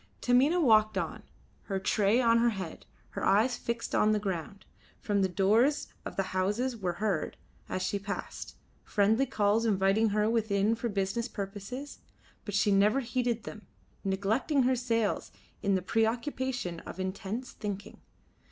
Taminah walked on, her tray on the head, her eyes fixed on the ground. From the open doors of the houses were heard, as she passed, friendly calls inviting her within for business purposes, but she never heeded them, neglecting her sales in the preoccupation of intense thinking.